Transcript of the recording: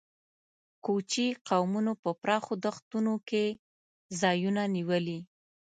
کوچي قومونو په پراخو دښتونو کې ځایونه نیولي.